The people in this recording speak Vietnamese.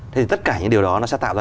thì tất cả những điều đó nó sẽ tạo ra